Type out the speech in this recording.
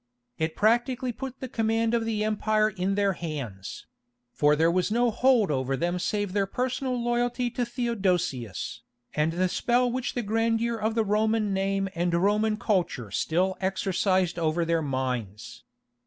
It practically put the command of the empire in their hands; for there was no hold over them save their personal loyalty to Theodosius, and the spell which the grandeur of the Roman name and Roman culture still exercised over their minds.